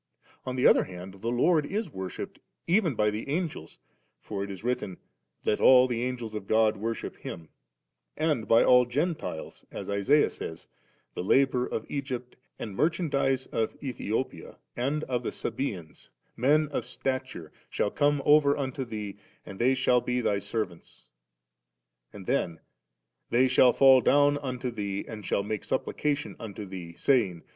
On the other hand, the Lord is worshipped even by the Angels; for it is written, « Let all tfie Angek of God worship Him';* and by all the Gentilesi as Isaiah says, 'The labour of Egypt and merchandize of Ethiopia and of the Sabeansy men of stature, shall come over wito thee^ and they shall be thy servants;* and then, 'they shall M down unto thee, and shall make supplication unto thee, saying.